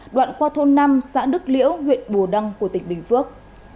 đoạn qua thôn năm xã đức liễu huyện bù đăng của tỉnh bình phước